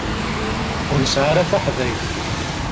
Ur nesɛi ara taḥdayt.